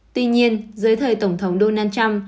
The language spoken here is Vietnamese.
tuy nhiên dưới thời tổng thống donald trump